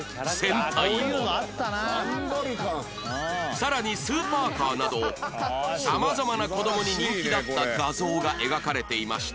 さらにスーパーカーなど様々な子どもに人気だった画像が描かれていました